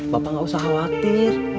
bapak gak usah khawatir